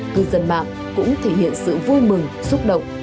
cư dân mạng cũng thể hiện sự vui mừng xúc động